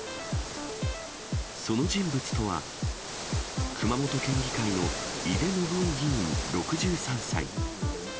その人物とは、熊本県議会の井手順雄議員６３歳。